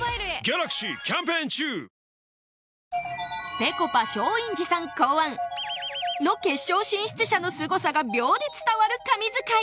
ぺこぱ松陰寺さん考案の決勝進出者のすごさが秒で伝わる神図解